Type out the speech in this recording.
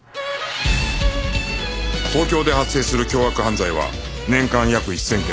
東京で発生する凶悪犯罪は年間約１０００件